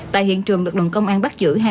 tại hiện trường lực lượng công an bắt giữ